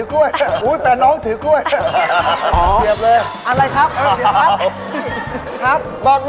แกถ่ายรูปให้พวกหน่อย